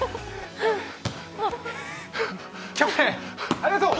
ありがとう！